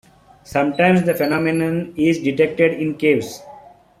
Sometimes the phenomenon is detected in caves.